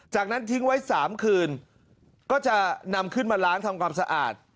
จากนั้นทิ้งไว้๓คืนก็จะนำขึ้นมาล้างทำความสะอาด